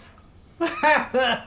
ハハハハハ！